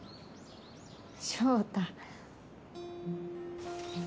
翔太。